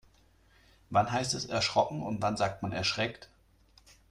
Wann heißt es erschrocken und wann sagt man erschreckt?